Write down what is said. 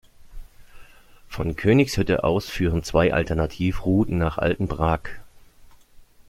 Von Königshütte aus führen zwei Alternativrouten nach Altenbrak.